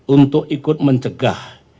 untuk ikut mencegah